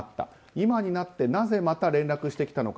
今になってなぜまた連絡してきたのか。